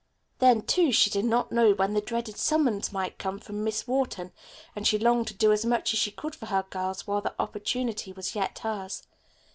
Then, too, she did not know when the dreaded summons might come from Miss Wharton, and she longed to do as much as she could for her girls while the opportunity was yet hers.